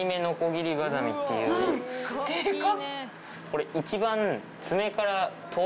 これ一番。